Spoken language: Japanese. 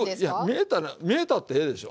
見えたってええでしょ。